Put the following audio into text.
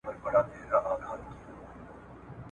دوستي پالل هنر دی.